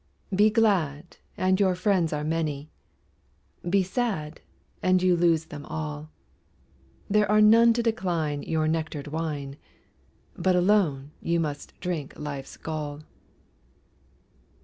Be glad, and your friends are many; Be sad, and you lose them all; There are none to decline your nectar'd wine, But alone you must drink life's gall.